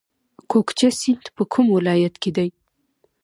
کوکچه سیند په کوم ولایت کې دی؟